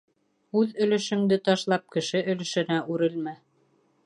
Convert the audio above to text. Үҙ өлөшөңдө ташлап, кеше өлөшөнә үрелмә.